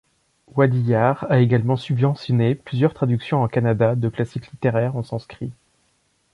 Wadiyar a également subventionné plusieurs traductions en Kannada de classiques littéraires en sanscrit.